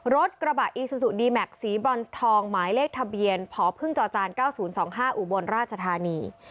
รถกระบะอีซูซูดีแม็กซ์สีบรอนซ์ทองหมายเลขทะเบียนผอพึ่งจอจานเก้าศูนย์สองห้าอุบลราชธานี